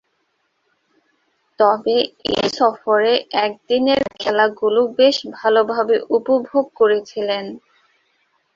তবে, এ সফরে একদিনের খেলাগুলো বেশ ভালোভাবে উপভোগ করেছিলেন।